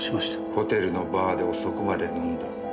ホテルのバーで遅くまで飲んだ。